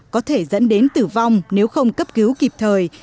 có thể dẫn đến tử vong nếu không cấp cứu kịp thời